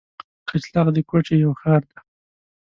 کچلاغ د کوټي یو ښار دی.